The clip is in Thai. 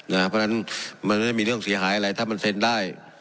เพราะฉะนั้นมันไม่มีเรื่องเสียหายอะไรถ้ามันเซ็นได้